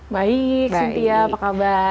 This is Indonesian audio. baik cynthia apa kabar